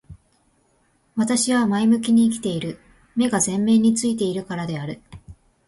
私は前向きに生きている。目が前面に付いているからである。